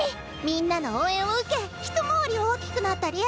みんなの応援を受け一回り大きくなった「Ｌｉｅｌｌａ！」。